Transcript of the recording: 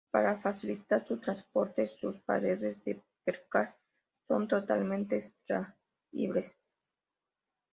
Para facilitar su transporte, sus paredes de percal son totalmente extraíbles.